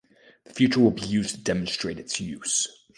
The future will be used to demonstrate its use.